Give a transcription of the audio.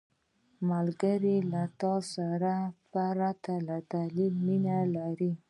ملګری له تا سره پرته له دلیل مینه لري